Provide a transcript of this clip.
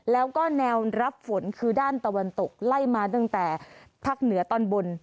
แล้วก็แนวรับฝนคือด้านตะวันตกไล่มาตั้งแต่ภาคเหนือตอนบน